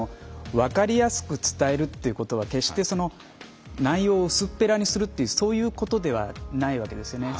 分かりやすく伝えるっていうことは決して内容を薄っぺらにするっていうそういうことではないわけですよね。